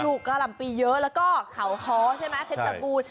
ปลูกกะหล่ำปีเยอะแล้วก็ขาวคอใช่ไหมเพชรปูน